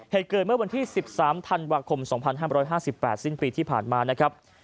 เหตุเกิดเมื่อวันที่๑๓ธันวาคม๒๕๕๘สิ้นปีที่ผ่านมานะครับ